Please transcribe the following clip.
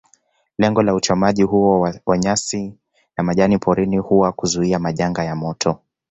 Lengo la uchomaji huo wa nyasi na majani porini huwa kuzuia majanga ya moto